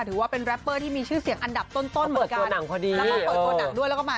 ถือว่าเป็นแร็ปเปอร์ที่มีชื่อเสียงอันดับต้นเหมือนกัน